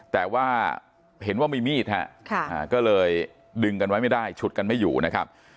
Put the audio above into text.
แต่ว่าเห็นว่ามีมีดฮะก็เลยดึงกันไว้ไม่ได้ฉุดกันไม่อยู่นะครับ